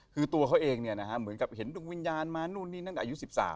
คือตัวเขาเองเหมือนกับเห็นดวงวิญญาณมานู่นนี่นั่นอายุ๑๓